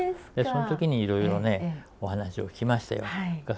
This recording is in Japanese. その時にいろいろねお話を聞きましたよ。